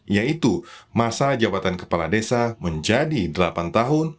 yaitu masa jabatan kepala desa menjadi delapan tahun